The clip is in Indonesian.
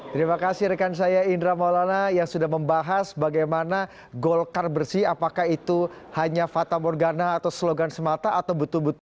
terima kasih rekan saya indra maulana yang sudah membahas bagaimana golkar bersih apakah itu hanya fata morgana atau slogan semata atau betul betul